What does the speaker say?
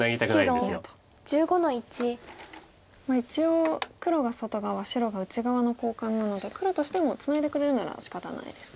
一応黒が外側白が内側の交換なので黒としてもツナいでくれるならしかたないですか。